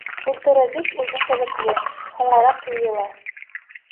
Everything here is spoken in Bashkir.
Культура бик үҙенсәлекле — һуңыраҡ йыйыла.